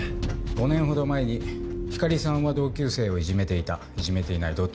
５年ほど前に光莉さんは同級生をいじめていたいじめていないどっち？